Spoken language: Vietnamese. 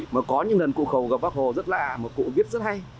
mà có những lần cụ khẩu gặp bác hồ rất lạ mà cụ viết rất hay